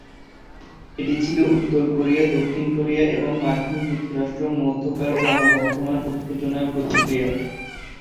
এটি ছিলো উত্তর কোরিয়া, দক্ষিণ কোরিয়া এবং মার্কিন যুক্তরাষ্ট্র মধ্যকার ক্রমবর্ধমান উত্তেজনার প্রতিক্রিয়া।